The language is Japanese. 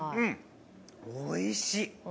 おいしい！